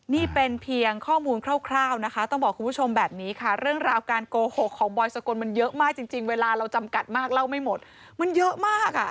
นี่เป็นเพียงข้อมูลคร่าวนะคะต้องบอกคุณผู้ชมแบบนี้ค่ะเรื่องราวการโกหกของบอยสกลมันเยอะมากจริงเวลาเราจำกัดมากเล่าไม่หมดมันเยอะมากอ่ะ